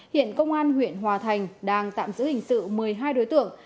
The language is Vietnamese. hiện công an huyện hòa thành đang tạm giữ hình sự một mươi hai đối tượng